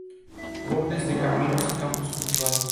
Bordes de caminos y campos cultivados.